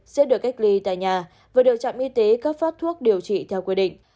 sẽ được cách ly tại nhà và được trạm y tế cấp phát thuốc điều trị theo quy định